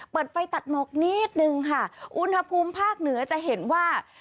เปิดไฟตัดหมอกนิดนึงค่ะอุณหภูมิภาคเหนือจะเห็นว่า